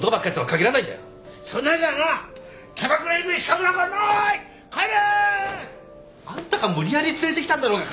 帰れ！あんたが無理やり連れてきたんだろうが。